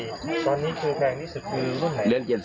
เราเปิดอยู่๒๕๐๐บาทครับตอนนี้๒๕๐๐บาทจะถึง๓๐๐๐บาทอยู่พรุ่งนี้วันนี้แหละครับ